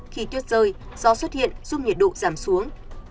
khi tuyết rơi gió xuất hiện giúp nhiệt độ giảm xuống